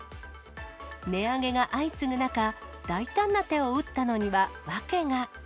値上げが相次ぐ中、大胆な手を打ったのには、訳が。